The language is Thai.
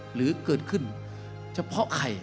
หรือเกิดขึ้นเฉพาะใคร